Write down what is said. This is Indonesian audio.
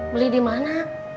beli di mana